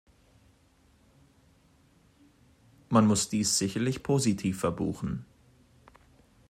Man muss dies sicherlich positiv verbuchen.